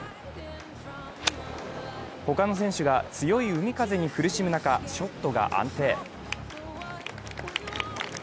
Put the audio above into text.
他の選手が強い海風に苦しむ中、ショットが安定。